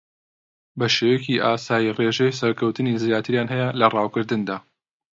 بە شێوەیەکی ئاسایی ڕێژەی سەرکەوتنی زیاتریان ھەیە لە ڕاوکردندا